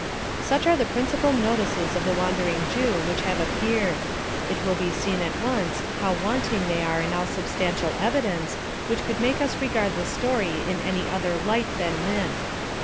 Such are the principal notices of the Wandering Jew which have appeared. It will be seen at once how wanting they are in all substantial evidence which could make us regard the story in any other light than myth.